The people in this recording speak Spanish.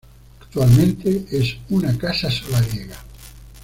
Actualmente, es una casa solariega.